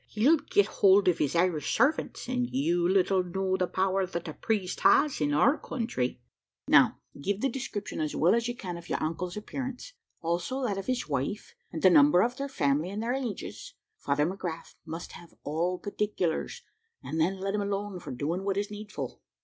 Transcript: He'll get hold of his Irish servants, and you little know the power that a priest has in our country. Now give the description as well as you can of your uncle's appearance, also of that of his wife, and the number of their family, and their ages. Father McGrath must have all particulars, and then let him alone for doing what is needful."